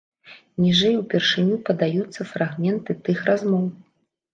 Ніжэй упершыню падаюцца фрагменты тых размоў.